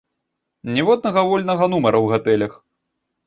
Ніводнага вольнага нумара ў гатэлях!